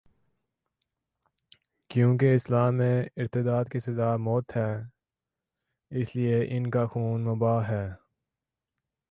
چونکہ اسلام میں ارتداد کی سزا موت ہے، اس لیے ان کا خون مباح ہے۔